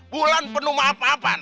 bulan penuh maha maha mahan